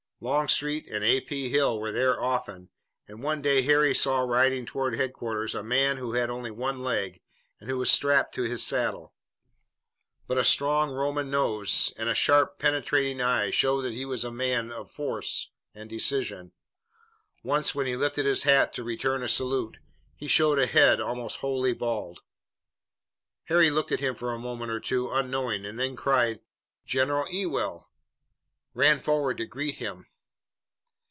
Longstreet and A. P. Hill were there often, and one day Harry saw riding toward headquarters a man who had only one leg and who was strapped to his saddle. But a strong Roman nose and a sharp, penetrating eye showed that he was a man of force and decision. Once, when he lifted his hat to return a salute, he showed a head almost wholly bald. Harry looked at him for a moment or two unknowing, and then crying "General Ewell!" ran forward to greet him.